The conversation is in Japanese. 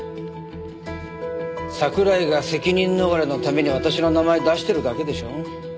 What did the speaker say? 桜井が責任逃れのために私の名前出してるだけでしょう。